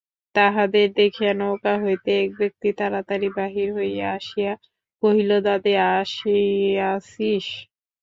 তাঁহাদের দেখিয়া নৌকা হইতে এক ব্যক্তি তাড়াতাড়ি বাহির হইয়া আসিয়া কহিল, দাদা আসিয়াছিস?